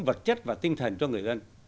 vật chất và tinh thần cho người dân